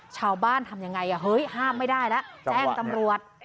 ชาวบ้านทำอย่างไรห้ามไม่ได้ล่ะแจ้งตำรวจ